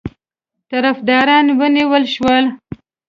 طرفداران ونیول شول.